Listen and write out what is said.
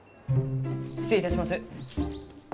失礼いたします。